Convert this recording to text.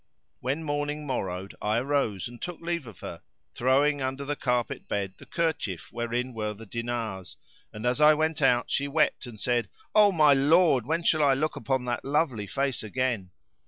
When morning morrowed I arose and took leave of her, throwing under the carpet bed the kerchief wherein were the dinars[FN#538] and as I went out she wept and said, "O my lord, when shall I look upon that lovely face again?"